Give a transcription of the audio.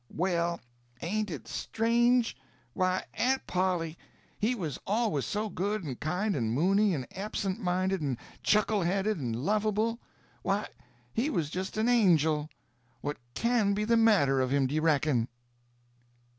"Well, ain't it strange? Why, Aunt Polly, he was always so good and kind and moony and absent minded and chuckle headed and lovable—why, he was just an angel! What can be the matter of him, do you reckon?"